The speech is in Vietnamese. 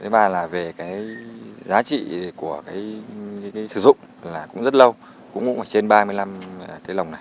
thứ ba là về giá trị của sử dụng cũng rất lâu cũng ở trên ba mươi năm lồng này